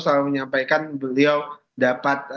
selalu menyampaikan beliau dapat